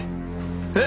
えっ！？